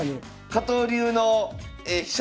加藤流の飛車